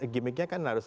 gimmicknya kan harus